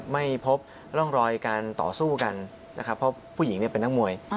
ไม่พบร่องรอยการต่อสู้กันนะครับเพราะผู้หญิงเป็นนักมวย